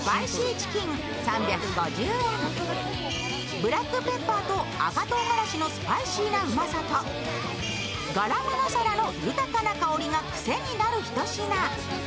ブラックペッパーと赤とうがらしのスパイシーなうまさとガラムマサラの豊かな香りが癖になる一品。